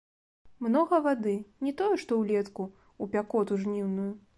Многа вады, не тое, што ўлетку, у пякоту жніўную.